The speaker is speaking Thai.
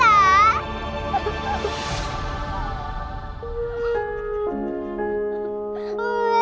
พี่น้อง